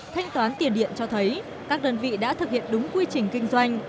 thanh toán tiền điện cho thấy các đơn vị đã thực hiện đúng quy trình kinh doanh